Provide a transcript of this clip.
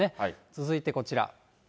続いてこちら。